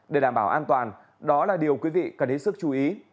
để đảm bảo an toàn đó là điều quý vị cần hết sức chú ý